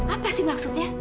apa sih maksudnya